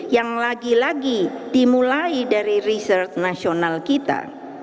yang lagi lagi dimulai dari riset nasional kita